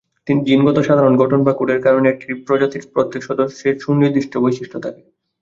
জিনগত সাধারন গঠন বা কোডের কারণে একটি প্রজাতির প্রত্যেক সদস্যের সুনির্দিষ্ট বৈশিষ্ট্য থাকে।